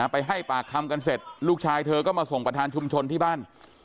ไปให้ปากคำกันเสร็จลูกชายเธอก็มาส่งประธานชุมชนที่บ้าน